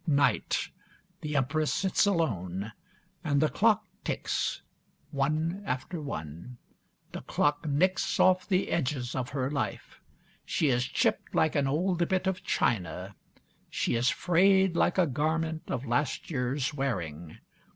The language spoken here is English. Night. The Empress sits alone, and the clock ticks, one after one. The clock nicks off the edges of her life. She is chipped like an old bit of china; she is frayed like a garment of last year's wearing.